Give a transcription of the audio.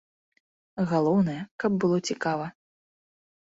Галоўнае, каб было цікава.